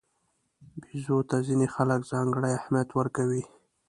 بیزو ته ځینې خلک ځانګړی اهمیت ورکوي.